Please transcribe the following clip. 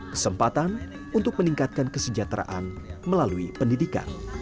kesempatan untuk meningkatkan kesejahteraan melalui pendidikan